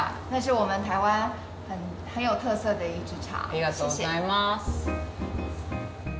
ありがとうございます。